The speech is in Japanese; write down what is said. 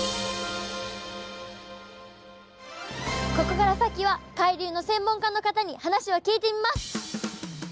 ここから先は海流の専門家の方に話を聞いてみます！